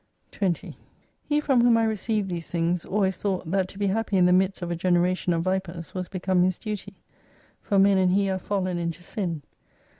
20 He from whom I received these things, always thought, that to be happy in the midst of a generation of vipers was become his duty : for men and he are fallen into sin.